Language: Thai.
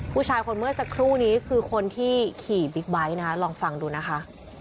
ผู้ชายคนเมื่อสักครู่นี้คือคนที่ขี่บิ๊กไบท์นะคะลองฟังดูนะคะ